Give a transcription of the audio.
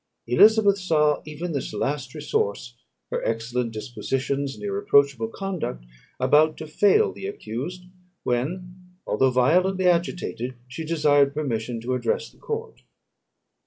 Elizabeth saw even this last resource, her excellent dispositions and irreproachable conduct, about to fail the accused, when, although violently agitated, she desired permission to address the court.